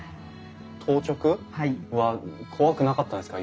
当直は怖くなかったんですか？